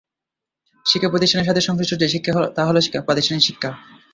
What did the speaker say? শিক্ষা প্রতিষ্ঠানের সাথে সংশ্লিষ্ট যে শিক্ষা তা হল প্রাতিষ্ঠানিক শিক্ষা।